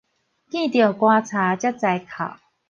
見著棺柴才知哭